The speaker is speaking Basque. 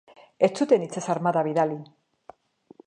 Ez zuten itsas armada bidali.